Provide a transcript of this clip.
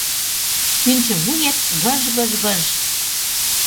Пӱнчӧ вует — гыж-гыж-гыж;